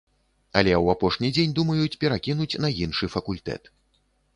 Але ў апошні дзень думаюць перакінуць на іншы факультэт.